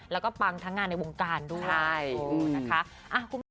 แล้วก็ปังทั้งงานในวงการด้วยนะคะโอ้โฮนะคะคุณแม่น